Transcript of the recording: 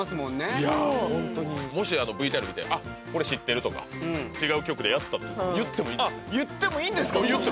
いやホントにもしＶＴＲ見てあっ「これ知ってる」とか「違う局でやった」と言ってもいいあっ言ってもいいんですか？